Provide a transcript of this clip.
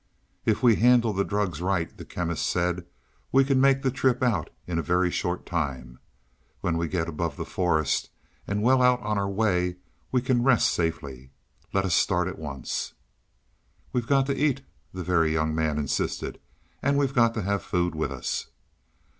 "If we handle the drugs right," the Chemist said, "we can make the trip out in a very short time. When we get above the forest and well on our way we can rest safely. Let us start at once." "We've got to eat," the Very Young Man insisted. "And we've got to have food with us."